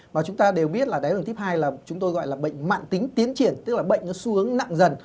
và chúng ta đều biết là đài tháo đường tiếp hai là bệnh mạng tính tiến triển tức là bệnh nó xuống nặng dần